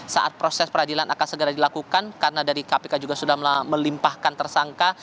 saat proses peradilan akan segera dilakukan karena dari kpk juga sudah melimpahkan tersangka